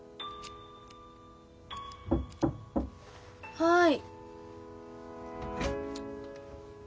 はい。